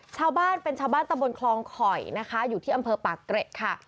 ชาวบ้านเป็นชาวบ้านตำบลคลองข่อยนะคะอยู่ที่อำเภอปากเกร็ดค่ะ